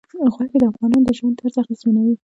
غوښې د افغانانو د ژوند طرز اغېزمنوي.